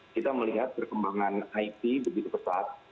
kita melihat perkembangan it begitu pesat